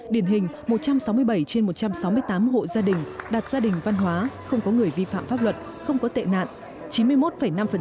điển hình một trăm sáu mươi bảy trên một trăm sáu mươi tám hộ gia đình đạt gia đình văn hóa không có người vi phạm pháp luật không có tệ nạn